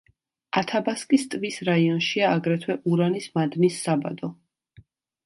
ათაბასკის ტბის რაიონშია აგრეთვე ურანის მადნის საბადო.